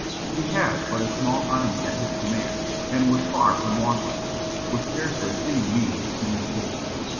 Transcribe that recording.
He had but a small army at his command, and was far from Washington, with scarcely any means of communication.